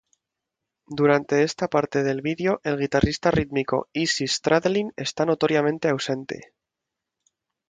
Durante esta parte del video el guitarrista rítmico Izzy Stradlin está notoriamente ausente.